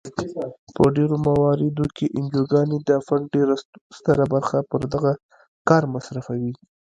په ډیری مواردو کې انجوګانې د فنډ ډیره ستره برخه پر دغه کار مصرفوي.